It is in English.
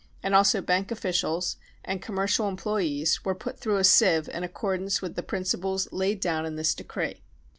and also banl officials and conltnercial employees, were put through a sieve in accordance with the principles laid down in this decree.